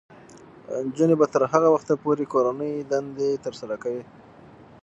نجونې به تر هغه وخته پورې کورنۍ دندې ترسره کوي.